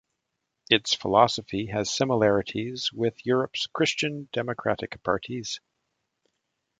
Its philosophy has similarities with Europe's Christian democratic parties.